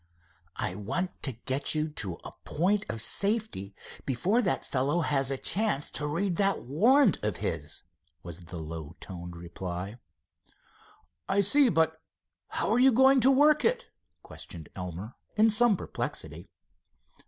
"I want to get you to a point of safety before that fellow has a chance to read that warrant of his," was the low toned reply. "I see; but how are you going to work it?" questioned Elmer, in some perplexity.